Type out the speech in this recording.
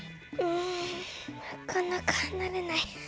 うんなかなかはなれない。